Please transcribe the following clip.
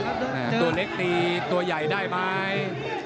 ตัวเล็กตีตัวใหญ่ได้ไหม